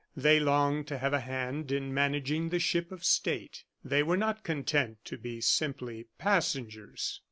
They longed to have a hand in managing the ship of state; they were not content to be simply passengers.